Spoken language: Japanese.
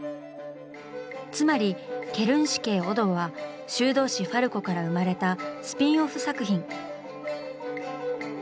つまり「ケルン市警オド」は「修道士ファルコ」から生まれたスピンオフ作品。